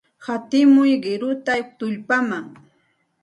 Hatimuy qiruta tullpaman.